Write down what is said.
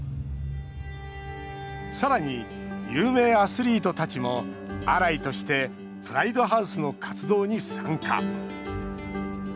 さらに有名アスリートたちもアライとしてプライドハウスの活動に参加。